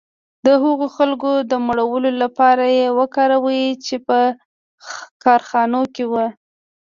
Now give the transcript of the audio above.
د هغو خلکو د مړولو لپاره یې وکاروي چې په کارخانو کې وو